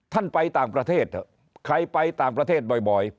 ท่านไปต่างประเทศใครไปต่างประเทศบ่อยบ่อย